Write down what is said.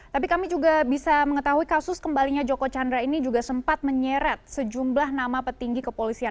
tapi kami juga bisa mengetahui kasus kembalinya joko chandra ini juga sempat menyeret sejumlah nama petinggi kepolisian